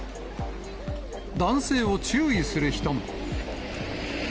男性を注意する人も。